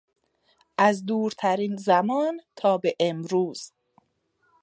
از دورترین زمان تا به امروز